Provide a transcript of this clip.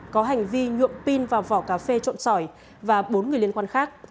có hành vi nhuộm pin và vỏ cà phê trộn sỏi và bốn người liên quan khác